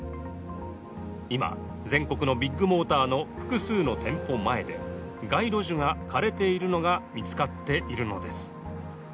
今、全国のビッグモーターの複数の店舗前で街路樹が枯れているのが見つかっているのです。